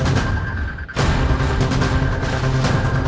empat regret adalah hilang